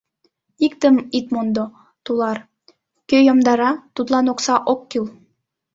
Иктым ит мондо, тулар: кӧ йомдара, тудлан окса ок кӱл.